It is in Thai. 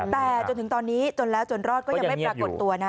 แต่จนถึงตอนนี้จนแล้วจนรอดก็ยังไม่ปรากฏตัวนะ